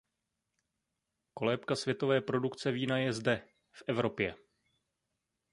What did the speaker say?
Kolébka světové produkce vína je zde, v Evropě.